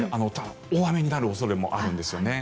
大雨になる恐れもあるんですよね。